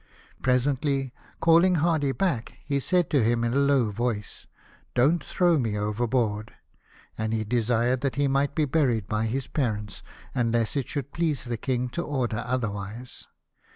Presently, calling Hardy back, he said to him in a low voice, " Don't throw me overboard ;" and he desired that he might be buried by his parents, unless it should please the King to order otherwise.